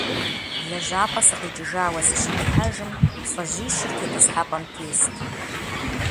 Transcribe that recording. ЛэжьапӀэ сыкъикӀыжауэ сыщыдыхьэжым, лӏыжьищыр тетӀысхьэпӀэм тест.